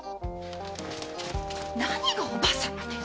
何が「おば様です」！